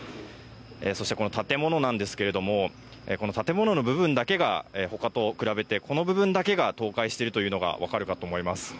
そして、この建物なんですがこの建物の部分だけが他と比べてこの部分だけが倒壊しているのが分かるかと思います。